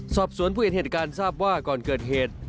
สอบสวนผู้เห็นเหตุการณ์ทราบว่าก่อนเกิดเหตุ